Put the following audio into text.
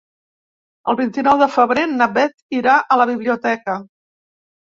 El vint-i-nou de febrer na Bet irà a la biblioteca.